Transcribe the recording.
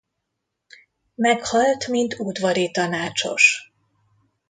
Meghalt mint udvari tanácsos.